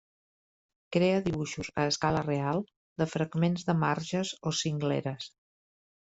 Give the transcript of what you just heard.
Crea dibuixos, a escala real, de fragments de marges o cingleres.